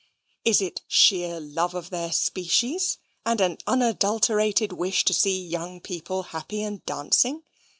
Is it sheer love of their species, and an unadulterated wish to see young people happy and dancing?